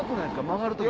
曲がる時。